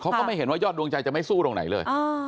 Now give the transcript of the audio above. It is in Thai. ก็ไม่เห็นว่ายอดดวงใจจะไม่สู้ตรงไหนเลย